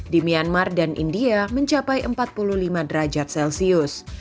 di myanmar dan india mencapai empat puluh lima derajat celcius